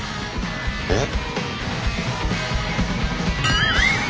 えっ？